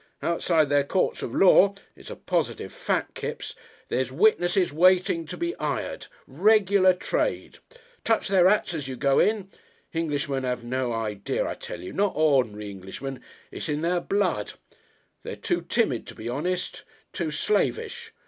Outside their courts of law it's a pos'tive fact, Kipps there's witnesses waitin' to be 'ired. Reg'lar trade. Touch their 'ats as you go in. Englishmen 'ave no idea, I tell you not ord'nary Englishmen. It's in their blood. They're too timid to be honest. Too slavish.